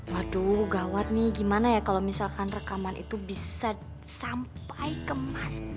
waduh gawat nih gimana ya kalau misalkan rekaman itu bisa sampai ke mas b